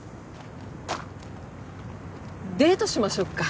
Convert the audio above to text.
デートしましょっか？